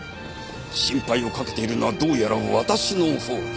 心配をかけているのはどうやら私のほうだ。